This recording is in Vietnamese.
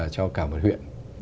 cho cả một huyện